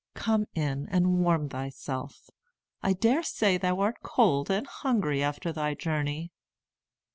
Come in and warm thyself. I dare say thou art cold and hungry after thy journey."